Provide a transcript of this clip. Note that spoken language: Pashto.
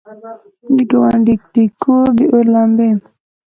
د ګاونډي د کور، داور لمبې!